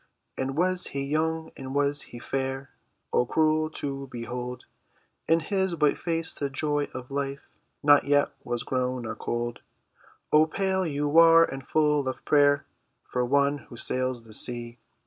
"And was he young, and was he fair?" "Oh, cruel to behold! In his white face the joy of life Not yet was grown a cold." "Oh, pale you are, and full of prayer For one who sails the sea."